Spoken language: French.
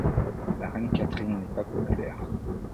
La Reine Catherine n'est pas populaire.